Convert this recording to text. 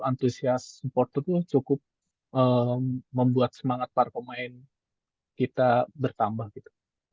antusias supporter tuh cukup membuat semangat para pemain kita bertambah gitu